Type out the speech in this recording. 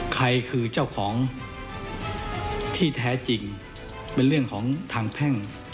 ใครคือเจ้าของที่แท้จริงเป็นเรื่องของทางแพ่ง